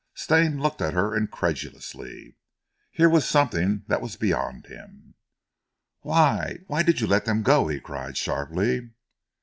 Stane looked at her incredulously. Here was something that was beyond him. "Why why did you let them go?" he cried sharply.